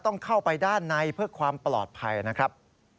ต้องเข้าไปด้านในเพื่อความปลอดภัยนะครับ